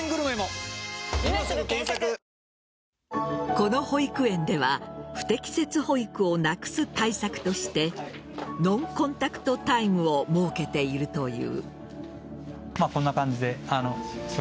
この保育園では不適切保育をなくす対策としてノンコンタクトタイムを設けているという。